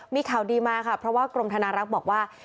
มีข่าวดีมาค่ะเพราะว่ากรมธนารักษ์บอกว่า